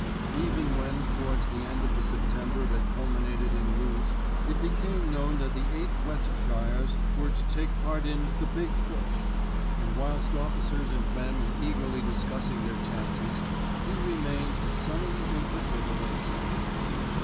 Even when towards the end of the September that culminated in Loos it became known that the 8th Westshires were to take part in "the big push," and whilst officers and men were eagerly discussing their chances, he remained his sunny, imperturbable self.